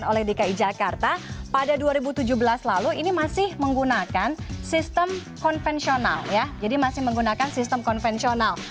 oleh dki jakarta pada dua ribu tujuh belas lalu ini masih menggunakan sistem konvensional ya jadi masih menggunakan sistem konvensional